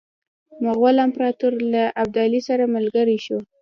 مغول امپراطور له ابدالي سره ملګری شو.